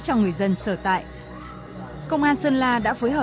cho người dân của chúng ta